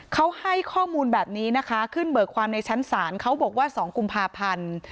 เขาให้ข้อมูลแบบนี้นะคะขึ้นเบิกความในชั้นศาลเขาบอกว่า๒กุมภาพันธ์